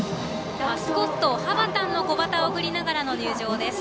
マスコット、はばタンの小旗を振りながらの入場です。